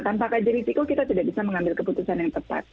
tanpa kaji risiko kita tidak bisa mengambil keputusan yang tepat